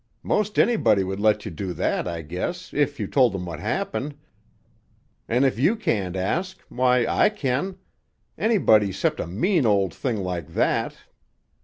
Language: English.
"Most anybody would let you do that, I guess, if you told them what happened, an' if you can't ask why, I kin. Anybody 'cept a mean old thing like that!